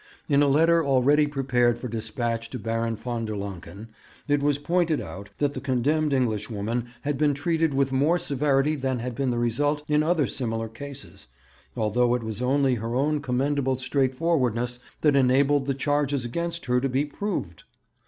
In a letter already prepared for dispatch to Baron von der Lancken, it was pointed out that the condemned Englishwoman had been treated with more severity than had been the result in other similar cases, although it was only her own commendable straightforwardness that enabled the charges against her to be proved.